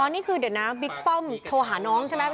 นี่คือเดี๋ยวนะบิ๊กป้อมโทรหาน้องใช่ไหม